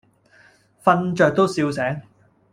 瞓著都笑醒